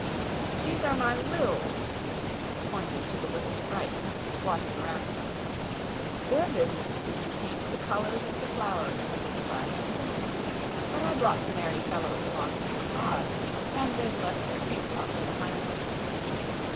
"These are my Ryls," pointing to the little sprites squatting around him. "Their business is to paint the colors of the flowers when they bud and bloom; but I brought the merry fellows along to see Oz, and they've left their paint pots behind them.